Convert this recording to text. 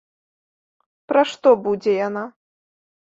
Пра што будзе яна?